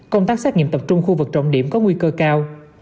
công tác xét nghiệm tập trung khu vực trọng điểm có nguy cơ cao